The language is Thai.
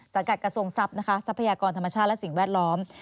กัดกระทรวงทรัพย์นะคะทรัพยากรธรรมชาติและสิ่งแวดล้อม